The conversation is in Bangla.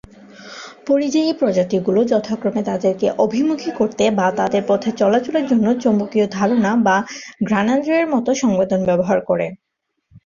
পরিযায়ী প্রজাতিগুলো যথাক্রমে তাদেরকে অভিমুখী করতে বা তাদের পথে চলাচলের জন্য চৌম্বকীয় ধারণা বা ঘ্রাণেন্দ্রিয় এর মতো সংবেদন ব্যবহার করে।